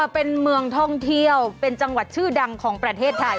เป็นเมืองท่องเที่ยวเป็นจังหวัดชื่อดังของประเทศไทย